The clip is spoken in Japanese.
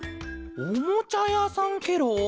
おもちゃやさんケロ？